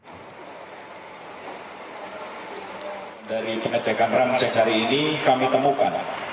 pada hari ini penyelidikan perang cek hari ini kami temukan